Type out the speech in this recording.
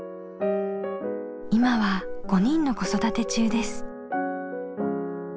今は５人の子育て中です。